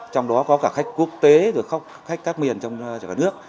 trong đó có cả khách quốc tế rồi khách các miền trong cả nước